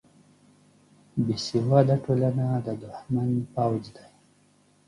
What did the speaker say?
بیسواده ټولنه د دښمن پوځ دی